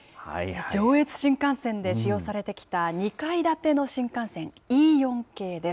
上越新幹線で使用されてきた２階建ての新幹線Ｅ４系です。